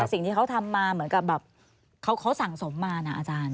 สิ่งที่เขาทำมาเหมือนกับแบบเขาสั่งสมมานะอาจารย์